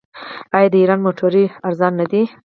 آیا د ایران موټرې ارزانه نه دي؟